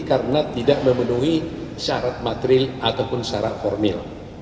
karena tidak memenuhi syarat materil ataupun syarat formil